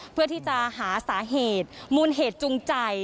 เพื่อที่จะหาสาเหตุมูลเหตุจูงใจ